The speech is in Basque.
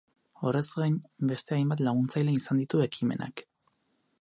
Horrez gain, beste hainbat laguntzaile izan ditu ekimenak.